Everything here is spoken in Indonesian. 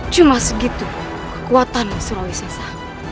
cuma segitu kekuatanmu sulawesesa